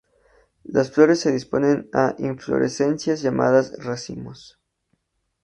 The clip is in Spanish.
Las flores se disponen en inflorescencias llamadas racimos.